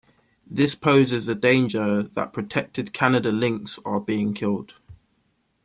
This poses the danger that protected Canada lynx are being killed.